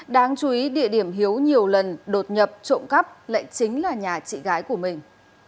đáng chú ý địa điểm hiếu nhiều lần đột nhập trộm cắp lại chính là nhà chị gái của mình